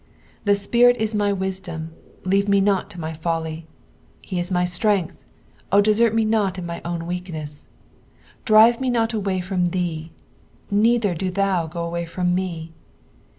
Thy Spirit is my wiadain, leave me not to my foliy ; he is my strength, O dceert me not to my own weakueas. Drive me not away from thee, neither do thou go away from me.